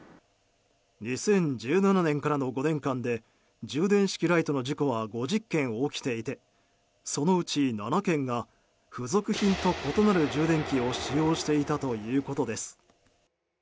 ２０１７年からの５年間で充電式ライトの事故は５０件起きていてそのうち７件が付属品と異なる充電器を使用していたということです。